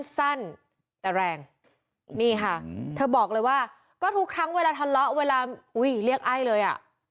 สั้นแต่แรงนี่ค่ะเธอบอกเลยว่าก็ทุกครั้งเวลาทะเลาะเวลาอุ้ยเรียกไอ้เลยอ่ะ